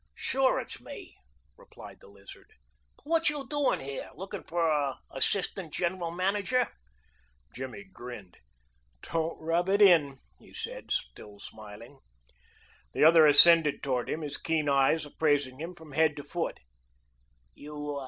"Sure, it's me," replied the Lizard. "But what you doin' here? Looking for an assistant general manager?" Jimmy grinned. "Don't rub it in," he said, still smiling. The other ascended toward him, his keen eyes appraising him from head to foot.